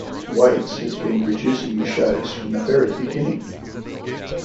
Waites has been producing the shows from the very beginning.